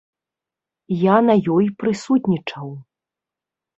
Я на ёй прысутнічаў.